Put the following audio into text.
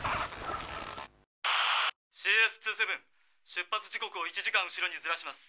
出発時刻を１時間後ろにずらします。